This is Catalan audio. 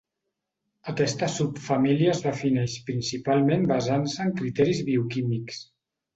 Aquesta subfamília es defineix principalment basant-se en criteris bioquímics.